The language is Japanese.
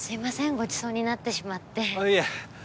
ごちそうになってしまっていえ